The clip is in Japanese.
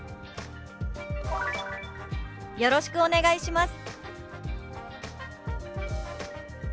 「よろしくお願いします」。